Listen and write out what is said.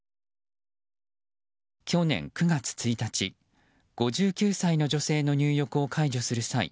去年９月１日５９歳の女性の入浴を介助する際